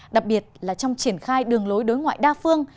đặc biệt là trong triển khai đường lối đối ngoại đa phương